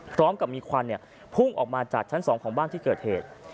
พร้อมกับมีควันพุ่งออกมาจากชั้น๒ของบ้านที่เกิดเหตุ